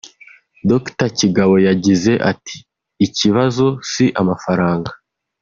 Dr Kigabo yagize ati “Ikibazo si amafaranga